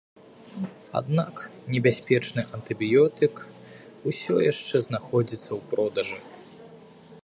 Аднак небяспечны антыбіётык усё яшчэ знаходзіцца ў продажы.